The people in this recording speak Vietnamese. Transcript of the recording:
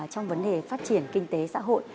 trong vấn đề phát triển kinh tế xã hội